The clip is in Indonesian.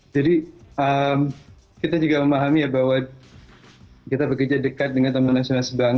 jadi kita juga memahami bahwa kita bekerja dekat dengan tni